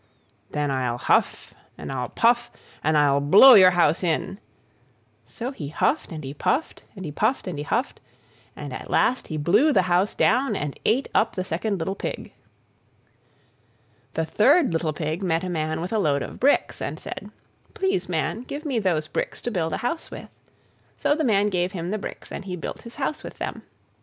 "Then I'll puff and I'll huff, and I'll blow your house in!" So he huffed and he puffed, and he puffed and he huffed, and at last he blew the house down, and ate up the second little Pig. The third little Pig met a Man with a load of bricks, and said, "Please, Man, give me those bricks to build a house with"; so the Man gave him the bricks, and he built his house with them.